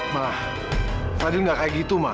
ma fadil gak kayak gitu ma